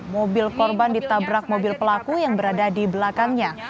mobil korban ditabrak mobil pelaku yang berada di belakangnya